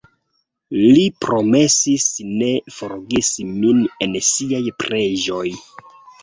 Li promesis ne forgesi min en siaj preĝoj.